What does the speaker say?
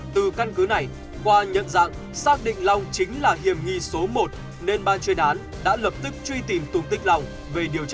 từ căn cứ này qua nhận dạng xác định long chính là hiểm nghi số một nên ban chuyên án đã lập tức truy tìm tung tích lòng về điều tra